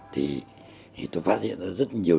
thì tôi phát hiện ra rất nhiều lý do